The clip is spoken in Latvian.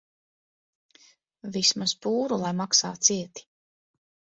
Vismaz pūru lai maksā cieti.